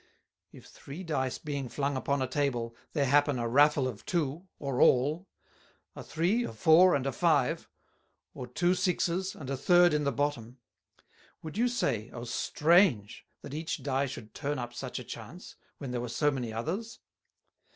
If three Dice being flung upon a Table, there happen a Raffle of two, or all; a three, a four, and a five; or two sixes, and a third in the bottom; would you say, O strange! that each Die should turn up such a chance, when there were so many others.